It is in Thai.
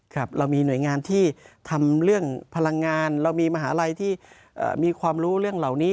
ครับเรามีหน่วยงานที่ทำเรื่องพลังงานเรามีมหาลัยที่มีความรู้เรื่องเหล่านี้